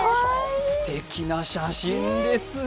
すてきな写真ですね。